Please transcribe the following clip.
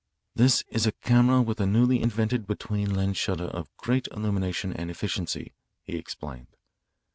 "This is a camera with a newly invented between lens shutter of great illumination and efficiency," he explained.